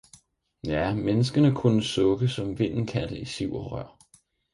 - ja, Menneskene kunne sukke, som Vinden kan det i Siv og Rør.